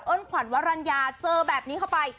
เอิ้นขวัญวารัญยาเจอแบบเนี้ยเข้าไป